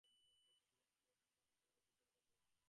জীবাত্মা যে এখানে ফিরিয়া আসে, এ ধারণা উপনিষদেই রহিয়াছে।